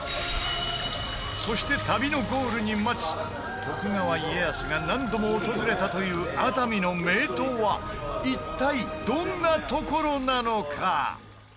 そして、旅のゴールに待つ徳川家康が何度も訪れたという熱海の名湯は一体、どんな所なのか？